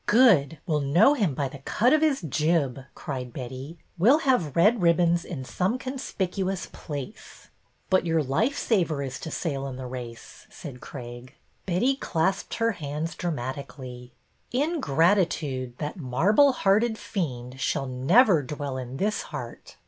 Good! We 'll know him by the ' cut of his jib,' " cried Betty. We 'll have red ribbons in some conspicuous place." ; But your life saver is to sail in the race," said Craig. 90 BETTY BAIRD'S VENTURES Betty clasped her hands dramatically. '' Ingratitude, that marble hearted fiend, shall never dwell in this heart.